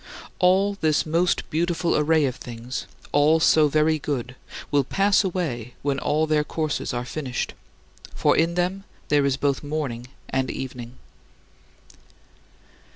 All this most beautiful array of things, all so very good, will pass away when all their courses are finished for in them there is both morning and evening.